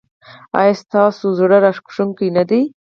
ایا ستاسو ساز زړه راښکونکی دی؟